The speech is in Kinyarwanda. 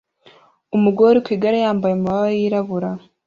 Umugore uri ku igare yambaye amababa yirabura